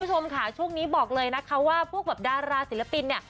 คุณผู้ชมค่ะช่วงนี้บอกเลยนะคะว่าพวกแบบดาราศิลปินเนี่ย